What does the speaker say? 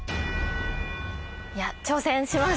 いや挑戦します！